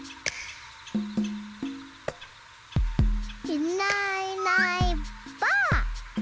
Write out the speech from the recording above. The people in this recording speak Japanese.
いないいないばあっ！